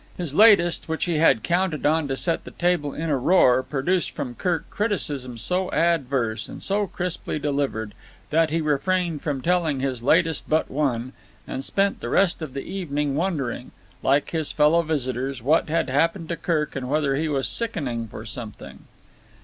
His latest, which he had counted on to set the table in a roar, produced from Kirk criticism so adverse and so crisply delivered that he refrained from telling his latest but one and spent the rest of the evening wondering, like his fellow visitors, what had happened to Kirk and whether he was sickening for something.